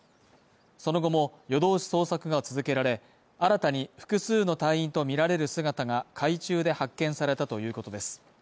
その後も夜通し捜索が続けられ、新たに複数の隊員とみられる姿が海中で発見されたということです。